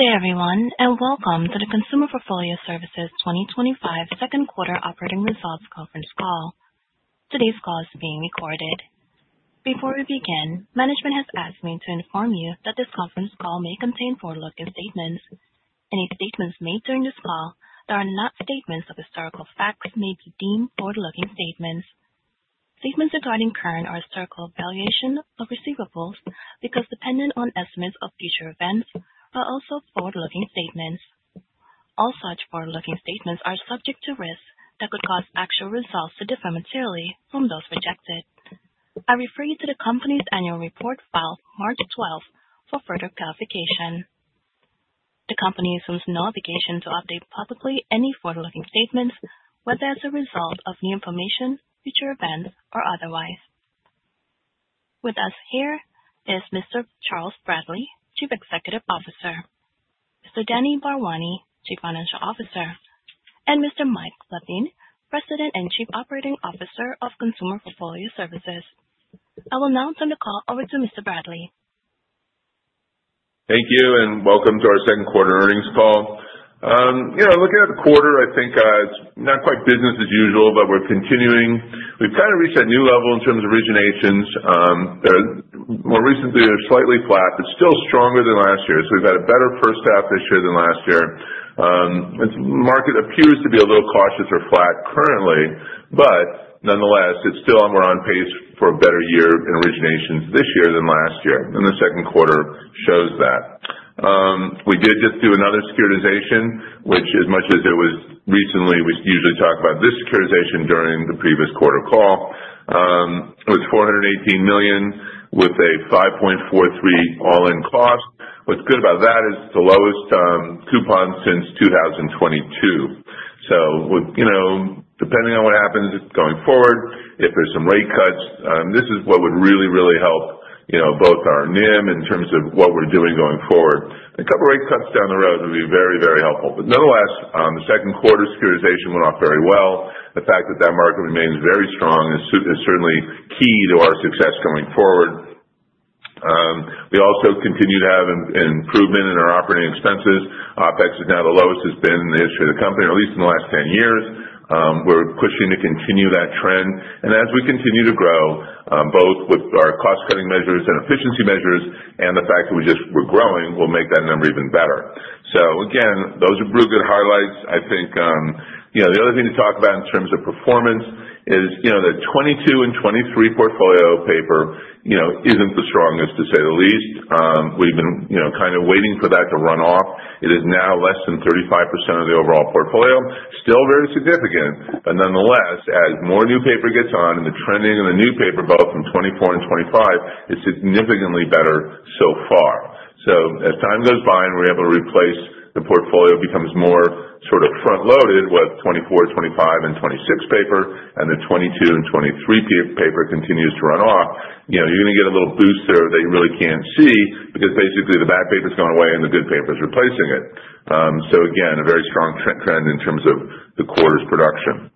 Thank you, everyone, and welcome to the Consumer Portfolio Services 2025 Second Quarter Operating Results Conference Call. Today's call is being recorded. Before we begin, management has asked me to inform you that this conference call may contain forward-looking statements. Any statements made during this call that are not statements of historical facts may be deemed forward-looking statements. Statements regarding current or historical valuation of receivables become dependent on estimates of future events, but also forward-looking statements. All such forward-looking statements are subject to risks that could cause actual results to differ materially from those projected. I refer you to the company's annual report filed March 12th for further clarification. The company assumes no obligation to update publicly any forward-looking statements, whether as a result of new information, future events, or otherwise. With us here is Mr. Charles Bradley, Chief Executive Officer, Mr. Dannke Bharwani, Chief Financial Officer, and Mr.Mike Lavin, President and Chief Operating Officer of Consumer Portfolio Services. I will now turn the call over to Mr. Bradley. Thank you, and welcome to our second quarter earnings call. Looking at the quarter, I think it's not quite business as usual, but we're continuing. We've kind of reached a new level in terms of originations. They're more recently slightly flat, but still stronger than last year. We've had a better first half this year than last year. The market appears to be a little cautious or flat currently, but nonetheless, we're on pace for a better year in originations this year than last year, and the second quarter shows that. We did just do another securitization, which, as much as it was recently, we usually talk about this securitization during the previous quarter call. It was $418 million with a 5.43% all-in cost. What's good about that is it's the lowest coupon since 2022. Depending on what happens going forward, if there's some rate cuts, this is what would really, really help, both our NIM in terms of what we're doing going forward. A couple of rate cuts down the road would be very, very helpful. Nonetheless, the second quarter securitization went off very well. The fact that that market remains very strong is certainly key to our success going forward. We also continue to have an improvement in our operating expenses. OpEx is now the lowest it's been in the history of the company, or at least in the last 10 years. We're pushing to continue that trend. As we continue to grow, both with our cost-cutting measures and efficiency measures, and the fact that we're growing, we'll make that number even better. Those are real good highlights. I think the other thing to talk about in terms of performance is, the 2022 and 2023 portfolio paper isn't the strongest, to say the least. We've been kind of waiting for that to run off. It is now less than 35% of the overall portfolio, still very significant. Nonetheless, as more new paper gets on and the trending in the new paper, both in 2024 and 2025, is significantly better so far. As time goes by and we're able to replace the portfolio, it becomes more sort of front-loaded with 2024, 2025, and 2026 paper, and the 2022 and 2023 paper continues to run off. You're going to get a little boost there that you really can't see because basically the bad paper's gone away and the good paper's replacing it. A very strong trend in terms of the quarter's production.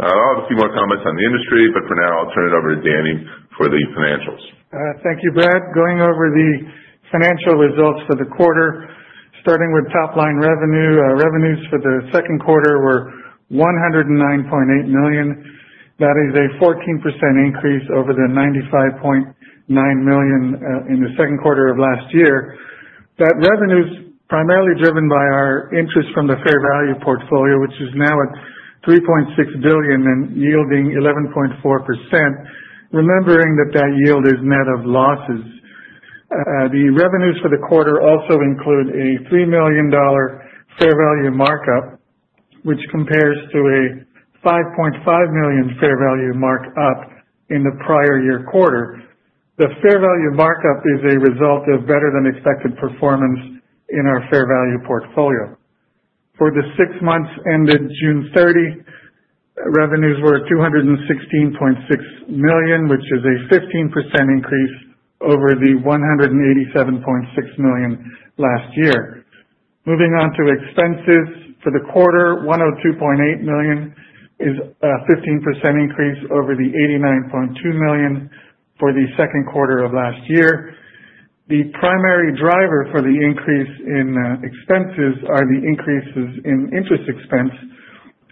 I'll have a few more comments on the industry, but for now, I'll turn it over to Danny for the financials. Thank you, Brad. Going over the financial results for the quarter, starting with top-line revenue, revenues for the second quarter were $109.8 million. That is a 14% increase over the $95.9 million in the second quarter of last year. That revenue is primarily driven by our interest from the fair value portfolio, which is now at $3.6 billion and yielding 11.4%, remembering that that yield is net of losses. The revenues for the quarter also include a $3 million fair value markup, which compares to a $5.5 million fair value markup in the prior year quarter. The fair value markup is a result of better-than-expected performance in our fair value portfolio. For the six months ended June 30, revenues were $216.6 million, which is a 15% increase over the $187.6 million last year. Moving on to expenses for the quarter, $102.8 million is a 15% increase over the $89.2 million for the second quarter of last year. The primary driver for the increase in expenses are the increases in interest expense,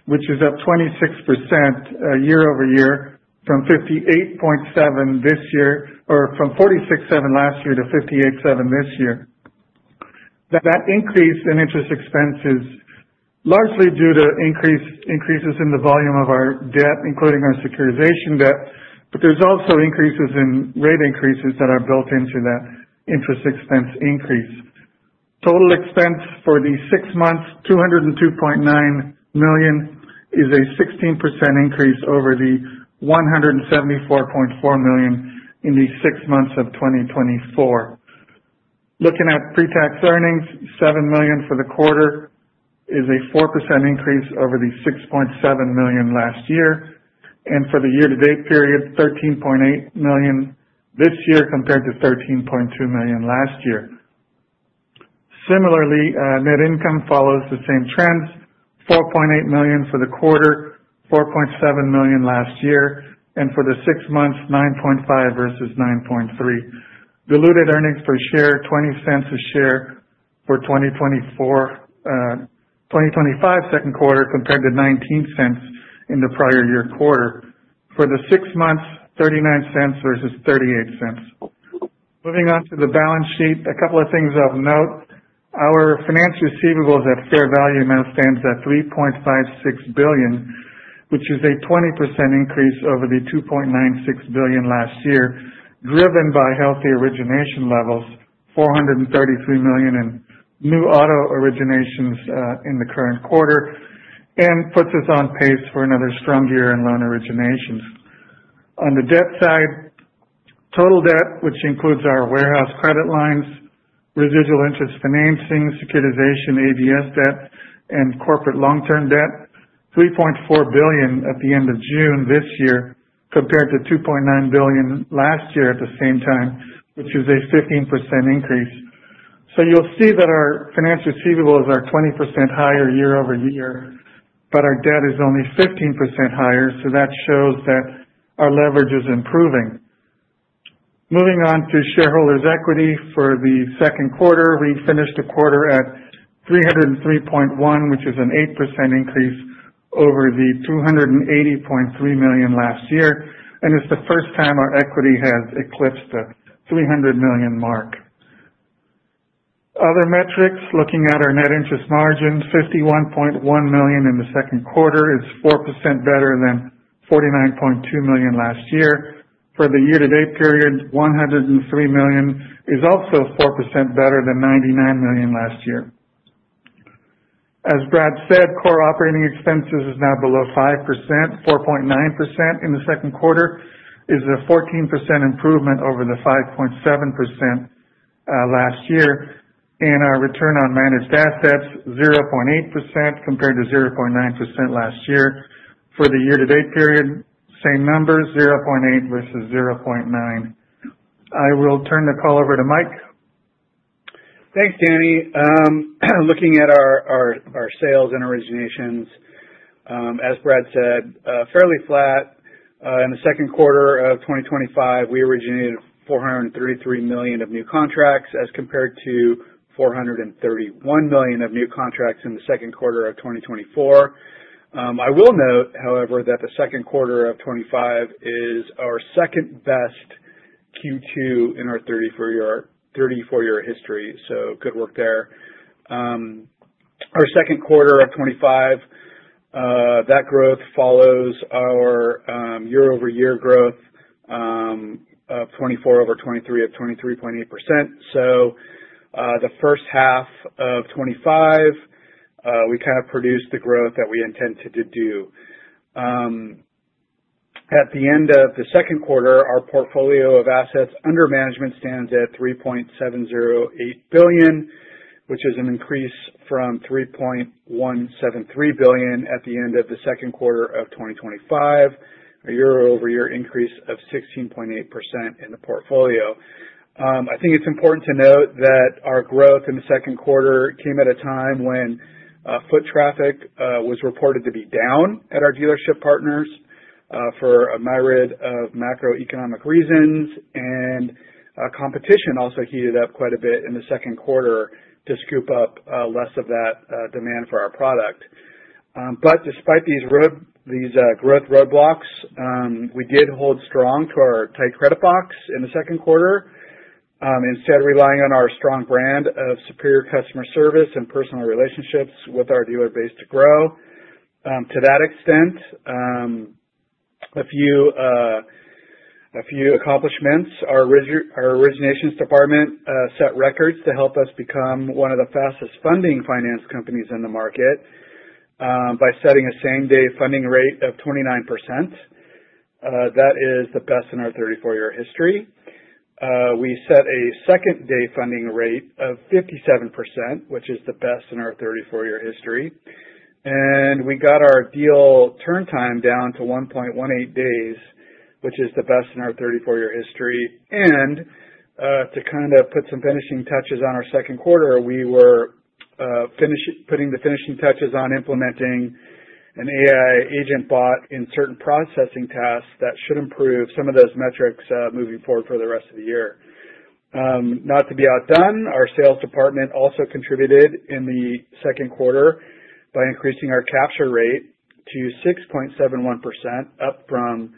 which is up 26% year over year from 58.7% this year, or from 46.7% last year to 58.7% this year. That increase in interest expense is largely due to increases in the volume of our debt, including our securitization debt, but there's also increases in rate increases that are built into that interest expense increase. Total expense for the six months, $202.9 million, is a 16% increase over the $174.4 million in the six months of 2024. Looking at pre-tax earnings, $7 million for the quarter is a 4% increase over the $6.7 million last year, and for the year-to-date period, $13.8 million this year compared to $13.2 million last year. Similarly, net income follows the same trends: $4.8 million for the quarter, $4.7 million last year, and for the six months, $9.5 million versus $9.3 million. Diluted earnings per share, $0.20 a share for 2025 second quarter compared to $0.19 in the prior year quarter. For the six months, $0.39 versus $0.38. Moving on to the balance sheet, a couple of things of note. Our finance receivables at fair value now stand at $3.56 billion, which is a 20% increase over the $2.96 billion last year, driven by healthy origination levels, $433 million in new auto originations in the current quarter, and puts us on pace for another stronger year in loan originations. On the debt side, total debt, which includes our warehouse credit lines, residual interest financing, securitization, ABS debt, and corporate long-term debt, was $3.4 billion at the end of June this year compared to $2.9 billion last year at the same time, which is a 15% increase. You'll see that our finance receivables are 20% higher year over year, but our debt is only 15% higher, which shows that our leverage is improving. Moving on to shareholders' equity for the second quarter, we finished the quarter at $303.1 million, which is an 8% increase over the $280.3 million last year, and it's the first time our equity has eclipsed the $300 million mark. Other metrics, looking at our net interest margin, $51.1 million in the second quarter is 4% better than $49.2 million last year. For the year-to-date period, $103 million is also 4% better than $99 million last year. As Brad said, core operating expenses are now below 5%. 4.9% in the second quarter is a 14% improvement over the 5.7% last year, and our return on managed assets, 0.8% compared to 0.9% last year. For the year-to-date period, same numbers, 0.8% versus 0.9%. I will turn the call over to Mike. Thanks, Danny. Looking at our sales and originations, as Brad said, fairly flat. In the second quarter of 2025, we originated $433 million of new contracts as compared to $431 million of new contracts in the second quarter of 2024. I will note, however, that the second quarter of 2025 is our second best Q2 in our 34-year history, so good work there. Our second quarter of 2025, that growth follows our year-over-year growth of 2024 over 2023 at 23.8%. The first half of 2025, we kind of produced the growth that we intended to do. At the end of the second quarter, our portfolio of assets under management stands at $3.708 billion, which is an increase from $3.173 billion at the end of the second quarter of 2024, a year-over-year increase of 16.8% in the portfolio. I think it's important to note that our growth in the second quarter came at a time when foot traffic was reported to be down at our dealership partners for a myriad of macroeconomic reasons, and competition also heated up quite a bit in the second quarter to scoop up less of that demand for our product. Despite these growth roadblocks, we did hold strong to our tight credit box in the second quarter, instead of relying on our strong brand of superior customer service and personal relationships with our dealer base to grow. To that extent, a few accomplishments, our originations department set records to help us become one of the fastest funding finance companies in the market by setting a same-day funding rate of 29%. That is the best in our 34-year history. We set a second-day funding rate of 57%, which is the best in our 34-year history. We got our deal turn time down to 1.18 days, which is the best in our 34-year history. To kind of put some finishing touches on our second quarter, we were putting the finishing touches on implementing an AI agent bot in certain processing tasks that should improve some of those metrics moving forward for the rest of the year. Not to be outdone, our sales department also contributed in the second quarter by increasing our capture rate to 6.71%, up from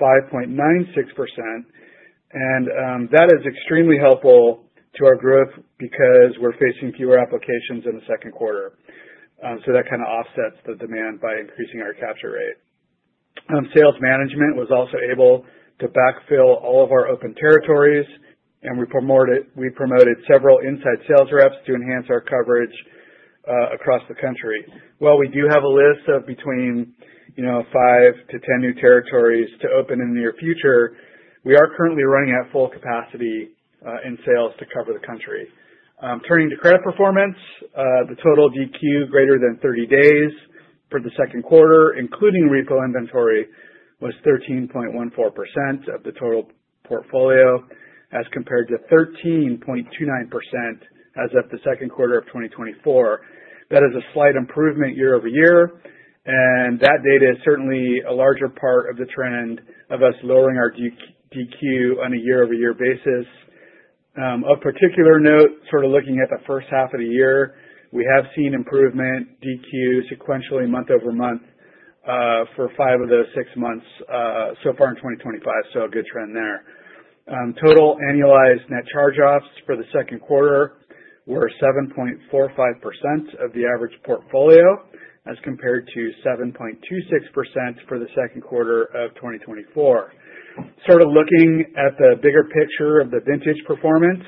5.96%. That is extremely helpful to our growth because we're facing fewer applications in the second quarter. That kind of offsets the demand by increasing our capture rate. Sales management was also able to backfill all of our open territories, and we promoted several inside sales reps to enhance our coverage across the country. While we do have a list of between, you know, 5-10 new territories to open in the near future, we are currently running at full capacity in sales to cover the country. Turning to credit performance, the total DQ greater than 30 days for the second quarter, including repo inventory, was 13.14% of the total portfolio as compared to 13.29% as of the second quarter of 2024. That is a slight improvement year over year, and that data is certainly a larger part of the trend of us lowering our DQ on a year-over-year basis. Of particular note, sort of looking at the first half of the year, we have seen improvement DQ sequentially month over month for five of the six months so far in 2025. A good trend there. Total annualized net charge-offs for the second quarter were 7.45% of the average portfolio as compared to 7.26% for the second quarter of 2024. Sort of looking at the bigger picture of the vintage performance,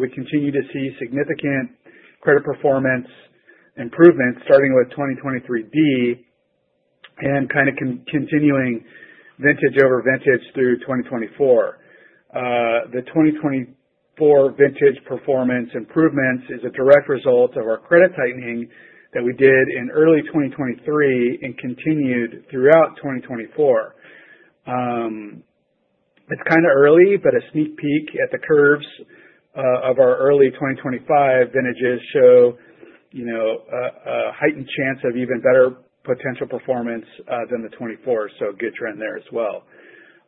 we continue to see significant credit performance improvements starting with 2023B and kind of continuing vintage over vintage through 2024. The 2024 vintage performance improvements are a direct result of our credit tightening that we did in early 2023 and continued throughout 2024. It's kind of early, but a sneak peek at the curves of our early 2025 vintages show, you know, a heightened chance of even better potential performance than the 2024. A good trend there as well.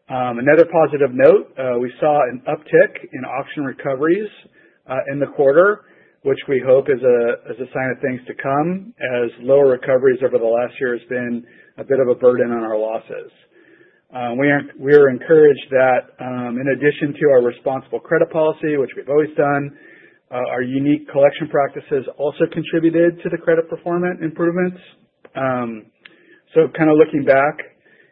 Another positive note, we saw an uptick in auction recoveries in the quarter, which we hope is a sign of things to come as lower recoveries over the last year has been a bit of a burden on our losses. We are encouraged that, in addition to our responsible credit policy, which we've always done, our unique collection practices also contributed to the credit performance improvements. Kind of looking back,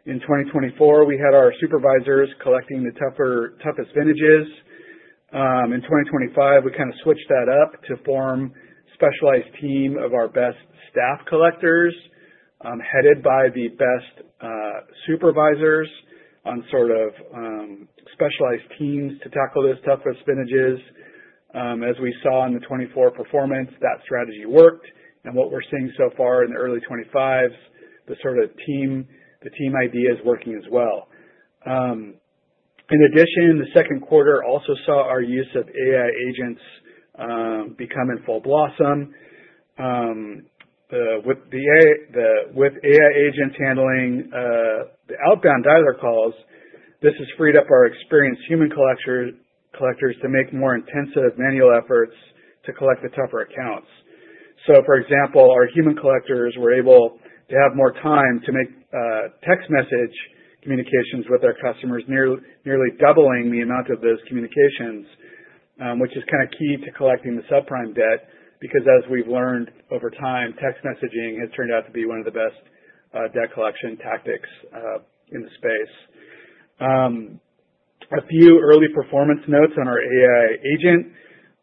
in 2024, we had our supervisors collecting the toughest vintages. In 2025, we kind of switched that up to form a specialized team of our best staff collectors, headed by the best supervisors on specialized teams to tackle those toughest vintages. As we saw in the 2024 performance, that strategy worked. What we're seeing so far in the early 2025s, the team idea is working as well. In addition, the second quarter also saw our use of AI agent bots become in full blossom. With AI agent bots handling the outbound dial-up calls, this has freed up our experienced human collectors to make more intensive manual efforts to collect the tougher accounts. For example, our human collectors were able to have more time to make text message communications with their customers, nearly doubling the amount of those communications, which is kind of key to collecting the subprime debt because, as we've learned over time, text messaging has turned out to be one of the best debt collection tactics in the space. A few early performance notes on our AI agent,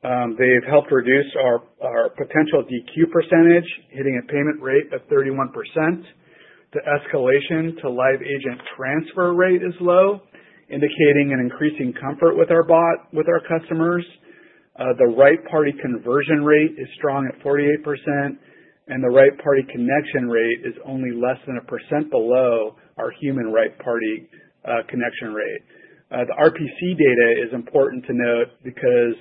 they've helped reduce our potential DQ percentage, hitting a payment rate of 31%. The escalation to live agent transfer rate is low, indicating an increasing comfort with our customers. The right party conversion rate is strong at 48%, and the right party connection rate is only less than a percent below our human right party connection rate. The RPC data is important to note because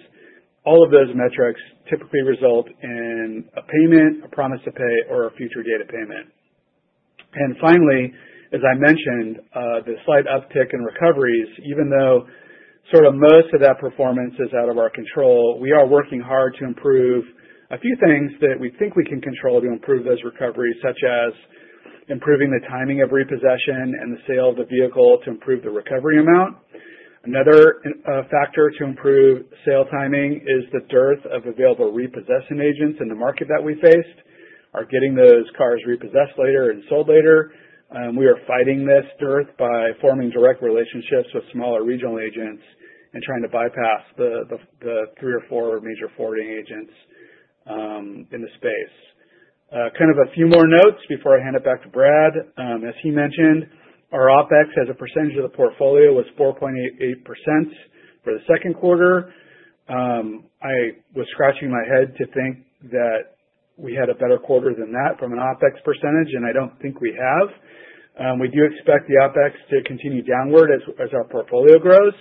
all of those metrics typically result in a payment, a promise to pay, or a future date of payment. Finally, as I mentioned, the slight uptick in recoveries, even though most of that performance is out of our control, we are working hard to improve a few things that we think we can control to improve those recoveries, such as improving the timing of repossession and the sale of the vehicle to improve the recovery amount. Another factor to improve sale timing is the dearth of available repossession agents in the market that we faced. We are getting those cars repossessed later and sold later. We are fighting this dearth by forming direct relationships with smaller regional agents and trying to bypass the three or four major forwarding agents in the space. A few more notes before I hand it back to Brad. As he mentioned, our OpEx as a percentage of the portfolio was 4.8% for the second quarter. I was scratching my head to think that we had a better quarter than that from an OpEx percentage, and I don't think we have. We do expect the OpEx to continue downward as our portfolio grows,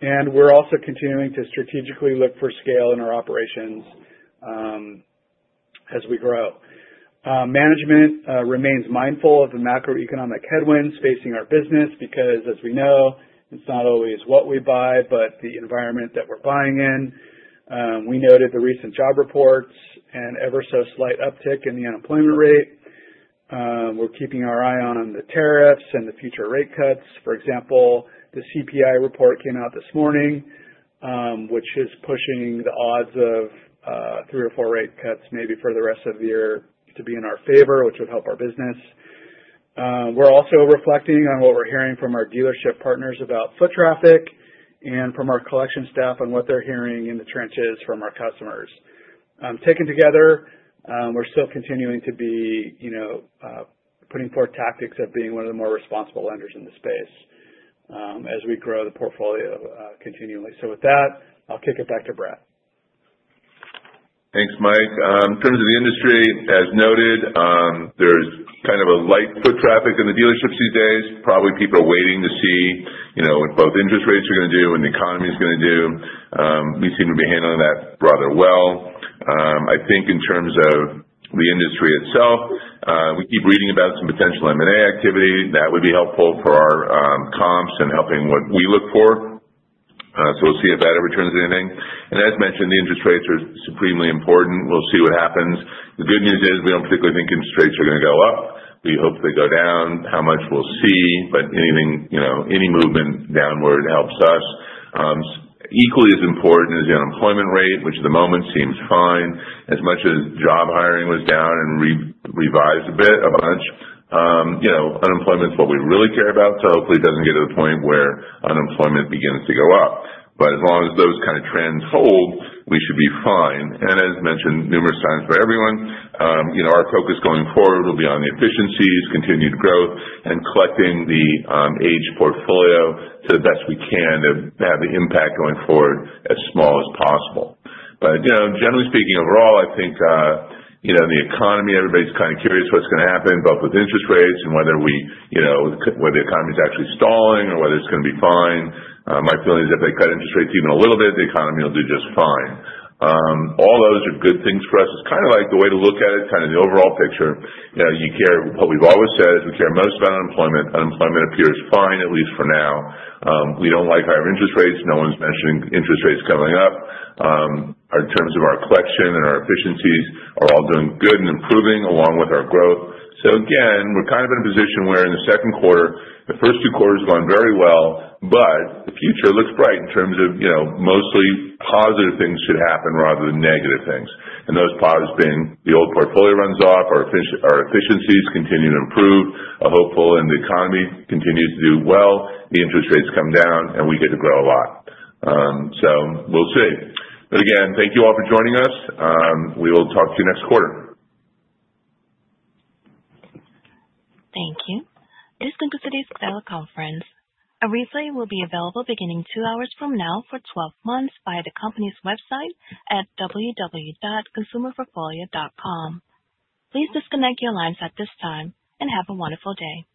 and we're also continuing to strategically look for scale in our operations as we grow. Management remains mindful of the macroeconomic headwinds facing our business because, as we know, it's not always what we buy, but the environment that we're buying in. We noted the recent job reports and ever-so-slight uptick in the unemployment rate. We're keeping our eye on the tariffs and the future rate cuts. For example, the CPI report came out this morning, which is pushing the odds of three or four rate cuts maybe for the rest of the year to be in our favor, which would help our business. We're also reflecting on what we're hearing from our dealership partners about foot traffic and from our collection staff on what they're hearing in the trenches from our customers. Taken together, we're still continuing to be putting forth tactics of being one of the more responsible lenders in the space as we grow the portfolio continually. With that, I'll kick it back to Brad. Thanks, Mike. In terms of the industry, as noted, there's kind of a light foot traffic in the dealerships these days, probably people are waiting to see what both interest rates are going to do and the economy is going to do. We seem to be handling that rather well. I think in terms of the industry itself, we keep reading about some potential M&A activity that would be helpful for our comps and helping what we look for. We'll see if that ever turns into anything. As mentioned, the interest rates are supremely important. We'll see what happens. The good news is we don't particularly think interest rates are going to go up. We hope they go down, how much we'll see, but anything, any movement downward helps us. Equally as important is the unemployment rate, which at the moment seems fine. As much as job hiring was down and revised a bit, a bunch, unemployment is what we really care about. Hopefully it doesn't get to the point where unemployment begins to go up. As long as those kind of trends hold, we should be fine. As mentioned numerous times by everyone, our focus going forward will be on the efficiencies, continued growth, and collecting the age portfolio to the best we can to have the impact going forward as small as possible. Generally speaking overall, I think the economy, everybody's kind of curious what's going to happen, both with interest rates and whether the economy is actually stalling or whether it's going to be fine. My feeling is if they cut interest rates even a little bit, the economy will do just fine. All those are good things for us. It's kind of like the way to look at it, kind of the overall picture. What we've always said is we care most about unemployment. Unemployment appears fine, at least for now. We don't like higher interest rates. No one's mentioning interest rates coming up. Our terms of our collection and our efficiencies are all doing good and improving along with our growth. We're kind of in a position where in the second quarter, the first two quarters have gone very well, but the future looks bright in terms of mostly positive things should happen rather than negative things. Those positives being the old portfolio runs off, our efficiencies continue to improve. I'm hopeful the economy continues to do well, the interest rates come down, and we get to grow a lot. We'll see. Thank you all for joining us. We will talk to you next quarter. Thank you. This concludes today's telecall, friends. A resale will be available beginning two hours from now for 12 months via the company's website at www.consumerportfolio.com. Please disconnect your lines at this time and have a wonderful day.